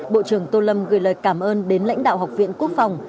bộ trưởng tô lâm gửi lời cảm ơn đến lãnh đạo học viện quốc phòng